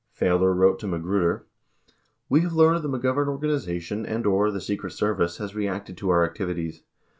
Failor wrote to Magruder : We have learned the McGovern organization and/or the Secret Service has reacted to our activities.